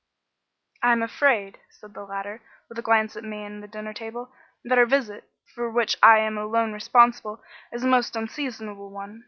"I am afraid," said the latter, with a glance at me and the dinner table, "that our visit for which I am alone responsible is a most unseasonable one.